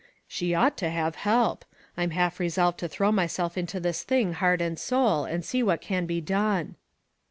She ought to have help. I'm half resolved to throw myself into this thing heart and soul, and see what can be done."